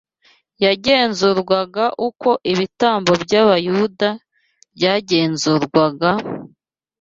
yagenzurwaga uko ibitambo by’Abayuda byagenzurwaga,